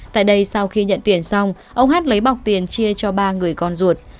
tại đây sau khi nhận tiền xong ông hát lấy bọc tiền chia cho ba người con ruột